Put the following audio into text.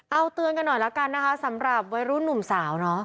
เอาเตือนกันหน่อยแล้วกันนะคะสำหรับวัยรุ่นหนุ่มสาวเนอะ